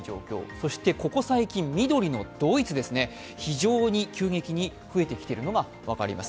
そしてここ最近、緑のドイツ、非常に急激に増えてきているのが分かります。